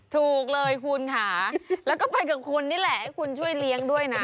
ถูกเลยคุณค่ะแล้วก็ไปกับคุณนี่แหละให้คุณช่วยเลี้ยงด้วยนะ